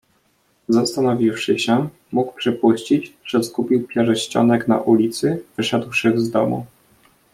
"Zastanowiwszy się, mógł przypuścić, że zgubił pierścionek na ulicy, wyszedłszy z domu."